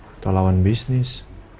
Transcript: atau lawan bisnis